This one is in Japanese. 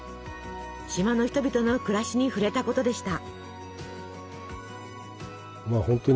島の人々の暮らしに触れたことでした。